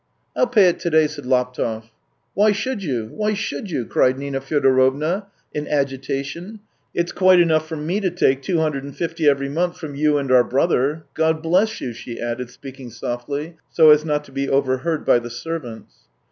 " I'll pay it to day," said Laptev. " Why should you ? Why should you ?" cried Nina Fyodorovna in agitation, " It's quite enough for me to take two hundred and fifty every month from you and our brother. God bless you !" she added, speaking softly, so as not to be over heard by the servants.